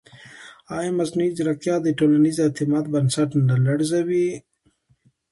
ایا مصنوعي ځیرکتیا د ټولنیز اعتماد بنسټ نه لړزوي؟